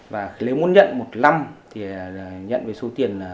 và nếu muốn nhận một năm thì nhận với số tiền